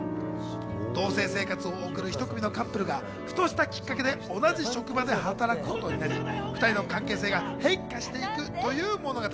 同棲生活を送る一組のカップルがふとしたきっかけで同じ職場で働くことになり、２人の関係性が変化していくという物語。